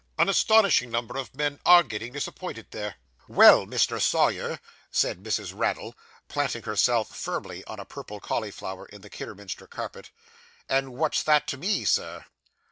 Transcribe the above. An astonishing number of men always _are _getting disappointed there. 'Well, Mr. Sawyer,' said Mrs. Raddle, planting herself firmly on a purple cauliflower in the Kidderminster carpet, 'and what's that to me, Sir?